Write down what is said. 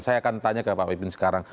saya akan tanya ke pak wipin sekarang